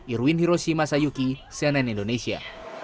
irwin hiroshi masayuki cnn indonesia